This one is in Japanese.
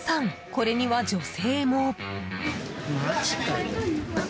これには女性も。